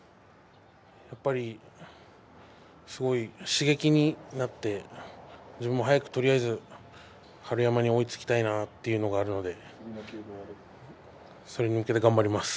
やっぱりすごい刺激になって自分も早く春山に追いつきたいなというのがあるのでそれに向けて頑張ります。